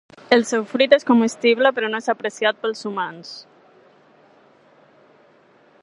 El seu fruit és comestible però no és apreciat pels humans.